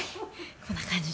こんな感じです。